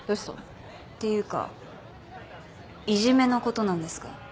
っていうかいじめのことなんですが。